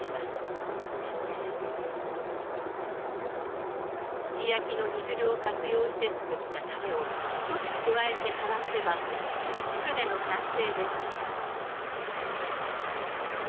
すき焼きの煮汁を活用して作ったたれを少し加えてからめれば鶏つくねの完成です。